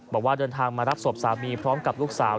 บอกว่าเดินทางมารับศพสามีพร้อมกับลูกสาว